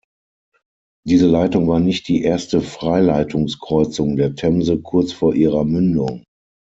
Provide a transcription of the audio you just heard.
Diese Leitung war nicht die erste Freileitungskreuzung der Themse kurz vor ihrer Mündung.